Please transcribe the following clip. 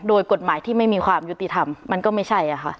โดยกฎหมายที่ไม่มีความยุติธรรมมันก็ไม่ใช่ค่ะ